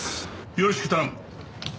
よろしく頼む。